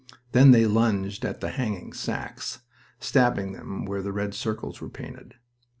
Then they lunged at the hanging sacks, stabbing them where the red circles were painted.